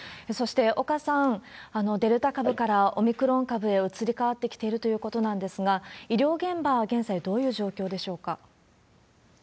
そして岡さん、デルタ株からオミクロン株へ移り変わってきているということなんですが、医療現場は現在、どういう状況でしょうか？